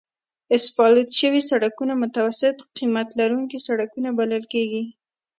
اسفالت شوي سړکونه متوسط قیمت لرونکي سړکونه بلل کیږي